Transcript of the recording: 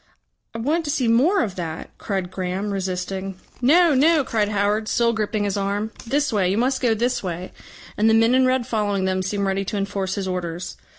"I want to see more of that," cried Graham, resisting. "No, no," cried Howard, still gripping his arm. "This way. You must go this way." And the men in red following them seemed ready to enforce his orders.